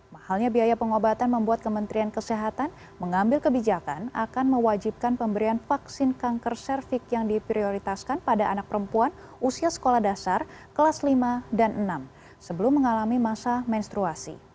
mahalnya biaya pengobatan membuat kementerian kesehatan mengambil kebijakan akan mewajibkan pemberian vaksin kanker cervix yang diprioritaskan pada anak perempuan usia sekolah dasar kelas lima dan enam sebelum mengalami masa menstruasi